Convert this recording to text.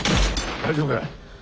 大丈夫よ。